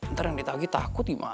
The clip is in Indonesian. ntar yang ditagi takut gimana